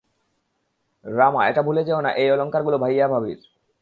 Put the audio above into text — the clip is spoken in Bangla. রামা, এটা ভুলে যেও না এই অলংকার গুলো ভাইয়া ভাবির।